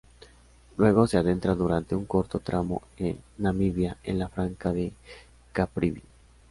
Luego se adentra durante un corto tramo en Namibia, en la Franja de Caprivi.